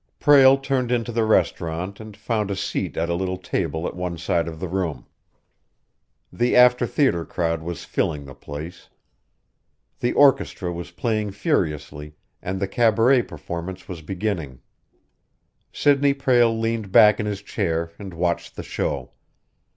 Prale turned into the restaurant and found a seat at a little table at one side of the room. The after theater crowd was filling the place. The orchestra was playing furiously, and the cabaret performance was beginning. Sidney Prale leaned back in his chair and watched the show.